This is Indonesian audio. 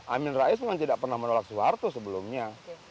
amin rais memang tidak pernah menolak soeharto sebelumnya